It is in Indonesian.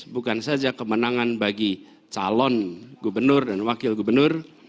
bukan saja kemenangan bagi calon gubernur dan wakil gubernur